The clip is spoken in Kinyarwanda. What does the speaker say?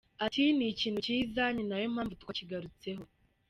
Ati “Ni ikintu cyiza ni nayo mpamvu twakigarutseho.